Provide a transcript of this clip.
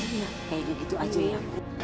iya kayak gitu aja ya